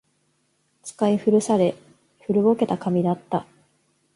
使い古され、古ぼけた紙だった